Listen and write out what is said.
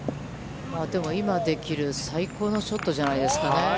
でも、今できる最高のショットじゃないですかね。